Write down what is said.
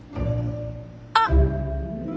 あっ。